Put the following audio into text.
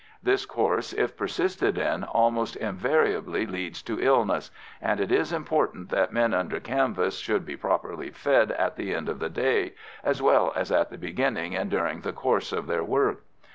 This course, if persisted in, almost invariably leads to illness, and it is important that men under canvas should be properly fed at the end of the day as well as at the beginning and during the course of their work.